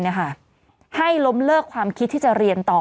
ที่โรงเรียนเนี่ยค่ะให้ล้มเลิกความคิดที่จะเรียนต่อ